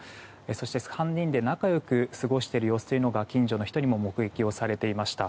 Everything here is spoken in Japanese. そして、３人で仲良く過ごしているという様子が近所の人にも目撃されていました。